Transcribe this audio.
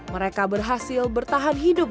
mereka berhasil bertahan hidup